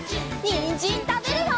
にんじんたべるよ！